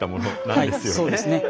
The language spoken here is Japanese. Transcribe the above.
はいそうですね。